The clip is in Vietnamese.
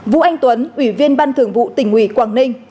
vũ anh tuấn ủy viên ban thường vụ tỉnh ủy quảng ninh